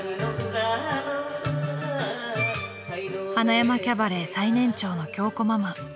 ［塙山キャバレー最年長の京子ママ］